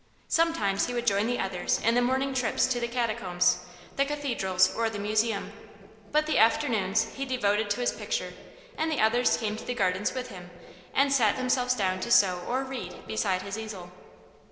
Sometimes he would join the others in their morning trips to the catacombs, the cathedrals or the museum; but the afternoons he devoted to his picture, and the others came to the gardens with him and sat themselves down to sew or read beside his easel.